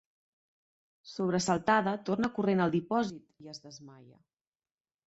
Sobresaltada, torna corrent al dipòsit i es desmaia.